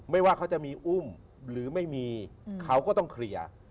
ว่าเขาจะมีอุ้มหรือไม่มีเขาก็ต้องเคลียร์